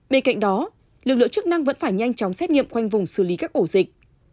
bên cạnh đó lực lượng chức năng vẫn phải nhanh chóng xét nghiệm khoanh vùng xử lý các ổ dịch